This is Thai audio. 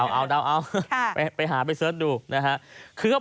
เอาไปหาไปเซิร์ชดู